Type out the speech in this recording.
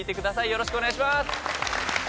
よろしくお願いします！